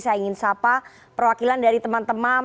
saya ingin sapa perwakilan dari teman teman